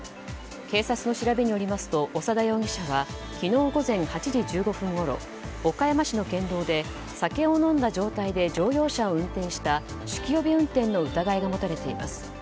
警察の調べによりますと長田容疑者は昨日午前８時１５分ごろ岡山市の県道で酒を飲んだ状態で乗用車を運転した酒気帯び運転の疑いがもたれています。